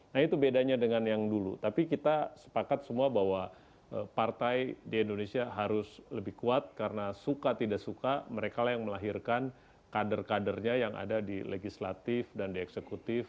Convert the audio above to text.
nah itu bedanya dengan yang dulu tapi kita sepakat semua bahwa partai di indonesia harus lebih kuat karena suka tidak suka mereka lah yang melahirkan kader kadernya yang ada di legislatif dan di eksekutif